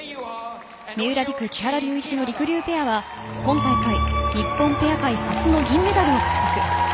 三浦璃来・木原龍一のりくりゅうペアは今大会日本ペア界初の銀メダルを獲得。